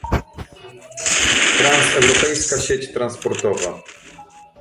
Transeuropejska sieć transportowa